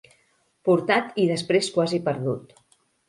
Portat i després quasi perdut.